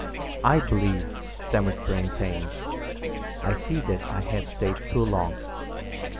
"I believe," stammered Brantain, "I see that I have stayed too long.